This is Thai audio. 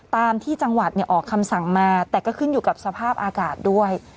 ตามที่จังหวัดออกคำสั่งมาแต่ก็ขึ้นอยู่กับสภาพอากาศด้วย